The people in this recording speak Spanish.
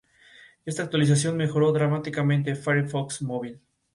Esta actualización mejoró dramáticamente Firefox Móvil.